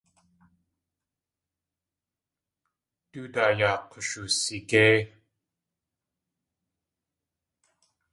Du daa yaa k̲ushuwsigéi.